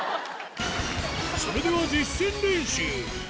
それでは実践練習。